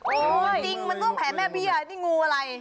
จริงมันต้องแผลแม่เบี้ยนี่งูอะไร